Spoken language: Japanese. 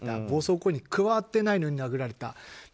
暴走行為に加わってないのに殴られた。